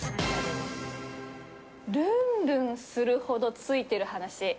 ルンルンするほどツイている話。